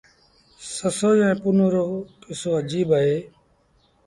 سسئيٚ ائيٚݩ پنهون رو ڪسو اجيب اهي۔